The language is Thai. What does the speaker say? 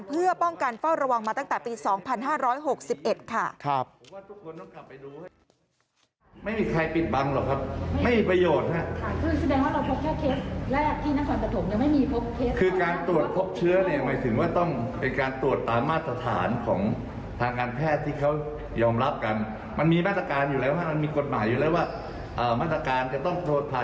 เพื่อป้องกันเฝ้าระวังมาตั้งแต่ปี๒๕๖๑ค่ะ